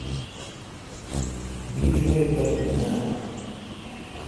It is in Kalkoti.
تو جومت پر بھون اؘ۔